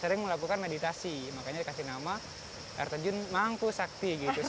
sering melakukan meditasi makanya dikasih nama air terjun mangku sakti gitu